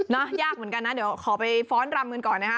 ยากเหมือนกันนะเดี๋ยวขอไปฟ้อนรำกันก่อนนะคะ